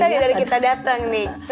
dari kita datang